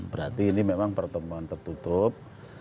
berarti ini memang pertemuan tertutup